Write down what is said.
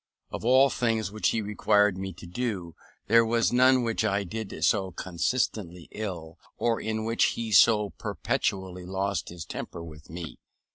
Of all things which he required me to do, there was none which I did so constantly ill, or in which he so perpetually lost his temper with me.